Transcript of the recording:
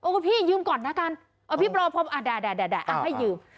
โอ้โหพี่ยืมก่อนนะกันเอาพี่รอพออ่าได้ได้ได้ได้อ่าให้ยืม